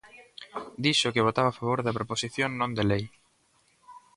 Dixo que votaba a favor da proposición non de lei.